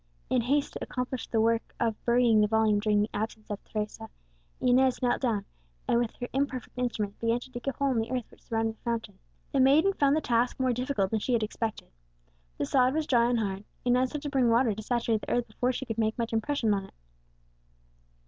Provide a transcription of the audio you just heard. In haste to accomplish the work of burying the volume during the absence of Teresa, Inez knelt down, and with her imperfect instrument began to dig a hole in the earth which surrounded the fountain. The maiden found the task more difficult than she had expected. The sod was dry and hard; Inez had to bring water to saturate the earth before she could make much impression upon it.